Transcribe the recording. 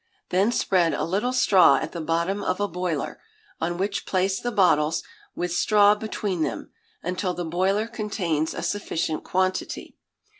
Then spread a little straw at the bottom of a boiler, on which place the bottles, with straw between them, until the boiler contains a sufficient quantity.